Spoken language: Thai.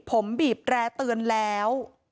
ผมบีบแร่เตือนแล้ว